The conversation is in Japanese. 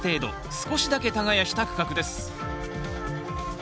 少しだけ耕した区画です。